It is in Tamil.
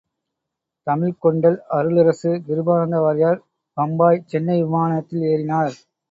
தமிழ்க்கொண்டல் அருளரசு கிருபானந்தவாரியார் பம்பாய் சென்னை விமானத்தில் ஏறினார்!